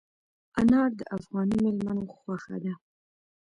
انار د افغاني مېلمنو خوښه ده.